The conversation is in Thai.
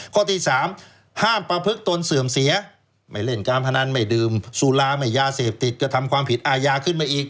ข้อที่๓ห้ามประพฤกตนเสื่อมเสียไม่เล่นการพนันไม่ดื่มสุราไม่ยาเสพติดกระทำความผิดอาญาขึ้นมาอีก